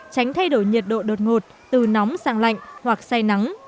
tránh thay đổi nhiệt độ đột ngột từ nóng sang lạnh hoặc say nắng